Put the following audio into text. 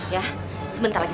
ya sebentar lagi